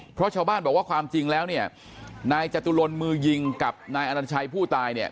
เพราะชาวบ้านบอกว่าความจริงแล้วเนี่ยนายจตุรนมือยิงกับนายอนัญชัยผู้ตายเนี่ย